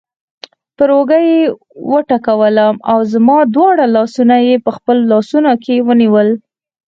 پر اوږه یې وټکولم او زما دواړه لاسونه یې په خپلو لاسونو کې ونیول.